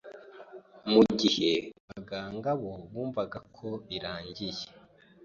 mu gihe abaganga bo bumvaga ko birangiye,